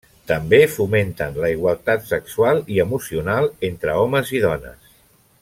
També fomenten la igualtat sexual i emocional entre homes i dones.